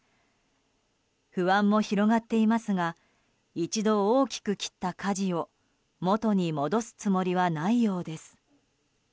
不安も広がっていますが一度大きく切ったかじを元に戻すつもりはないようです。